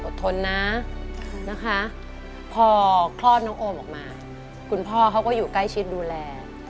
ทนนะนะคะพอคลอดน้องโอมออกมาคุณพ่อเขาก็อยู่ใกล้ชิดดูแล